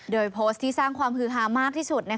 โดยโพสต์ที่สร้างความฮือฮามากที่สุด